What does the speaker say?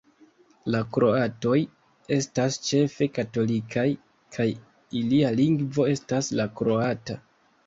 La kroatoj estas ĉefe katolikaj, kaj ilia lingvo estas la kroata.